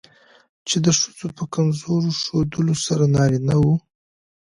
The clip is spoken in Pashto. چې د ښځو په کمزور ښودلو سره نارينه وو